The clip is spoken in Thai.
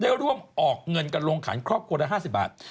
ได้ร่วมออกเงินกันลงขันครอบครัวละ๕๐บาท